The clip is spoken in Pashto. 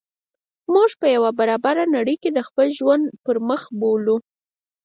موږ په یوه نا برابره نړۍ کې د خپل ژوند پرمخ بوولو.